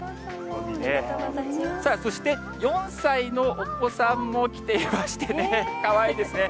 そして、４歳のお子さんも来ていましてね、かわいいですね。